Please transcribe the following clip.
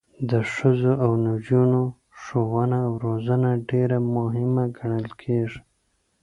د ښځو او نجونو ښوونه او روزنه ډیره مهمه ګڼل کیږي.